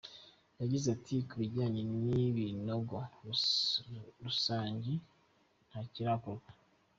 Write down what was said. Yagize ati: "Ku bijanye n'ibinogo rusangi, ntakirakorwa.